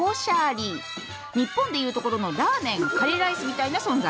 日本で言うところのラーメンカレーライスみたいな存在。